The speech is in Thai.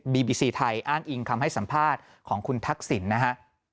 บีบีซีไทยอ้างอิงคำให้สัมภาษณ์ของคุณทักษิณนะฮะ